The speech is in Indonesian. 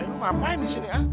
lu ngapain di sini ah